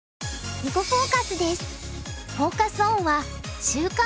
「囲碁フォーカス」です。